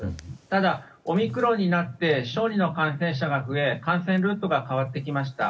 ただ、オミクロンになって小児の感染者が増え感染ルートが変わってきました。